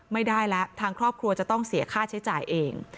ไม่ได้แล้วทางครอบครัวจะต้องเสียค่าใช้จ่ายเอง